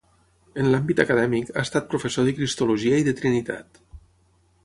En l'àmbit acadèmic, ha estat professor de Cristologia i de Trinitat.